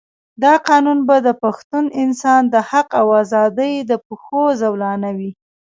دا قانون به د پښتون انسان د حق او آزادۍ د پښو زولانه وي.